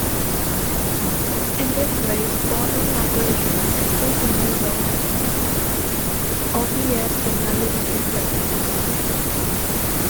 In this way spawning migration has been enabled again, albeit in a limited way.